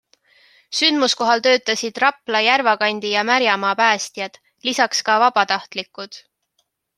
Sündmuskohal töötasid Rapla, Järvakandi ja Märjamaa päästjad, lisaks ka vabatahtlikud.